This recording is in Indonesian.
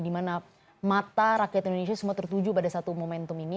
dimana mata rakyat indonesia semua tertuju pada satu momentum ini